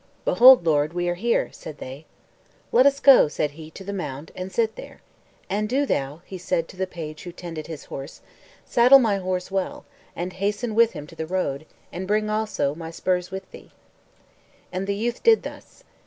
"Behold, lord, we are here," said they. "Let us go," said he, "to the mound, and sit there. And do thou," said he to the page who tended his horse, "saddle my horse well, and hasten with him to the road, and bring also my spurs with thee." And the youth did thus.